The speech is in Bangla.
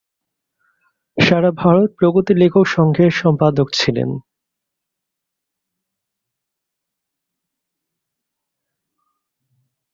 সারা ভারত প্রগতি লেখক সংঘের সম্পাদক ছিলেন।